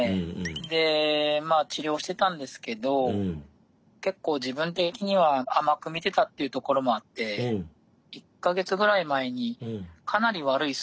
でまあ治療してたんですけど結構自分的には甘く見てたっていうところもあって１か月ぐらい前にかなり悪い数値が出てまして。